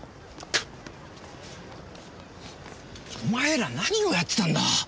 お前ら何をやってたんだ。